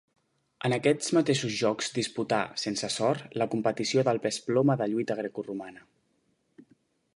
En aquests mateixos Jocs disputà, sense sort, la competició del pes ploma de lluita grecoromana.